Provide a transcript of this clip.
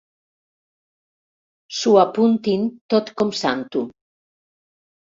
S'ho apuntin tot copsant-ho.